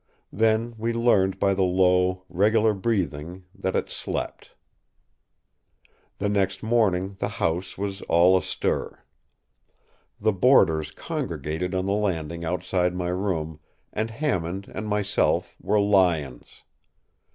Then we learned by the low, regular breathing that it slept. The next morning the house was all astir. The boarders congregated on the landing outside my room, and Hammond and myself were lions.